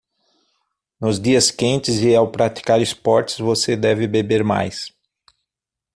Nos dias quentes e ao praticar esportes, você deve beber mais.